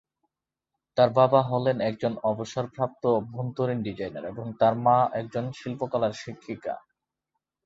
তার বাবা হলেন একজন অবসরপ্রাপ্ত অভ্যন্তরীণ ডিজাইনার এবং তার মা একজন শিল্পকলার শিক্ষিকা।